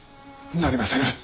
なりませぬ。